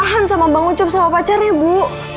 tahan sama bang ucup sama pacarnya bu